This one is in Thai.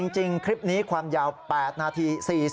จริงคลิปนี้ความยาว๘นาที